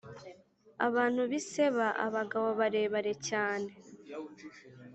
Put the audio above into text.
abantu b’i seba, abagabo barebare cyane,